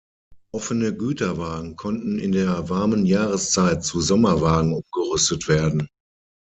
Offene Güterwagen konnten in der warmen Jahreszeit zu Sommerwagen umgerüstet werden.